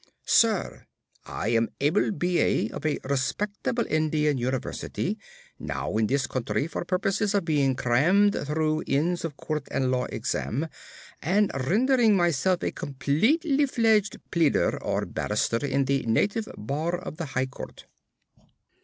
Sir, I am an able B.A. of a respectable Indian University, now in this country for purposes of being crammed through Inns of Court and Law Exam., and rendering myself a completely fledged Pleader or Barrister in the Native Bar of the High Court.